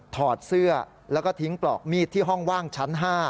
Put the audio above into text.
ถอดเสื้อแล้วก็ทิ้งปลอกมีดที่ห้องว่างชั้น๕